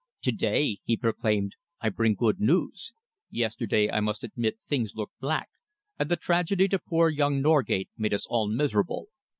"To day," he proclaimed, "I bring good news. Yesterday, I must admit, things looked black, and the tragedy to poor young Norgate made us all miserable."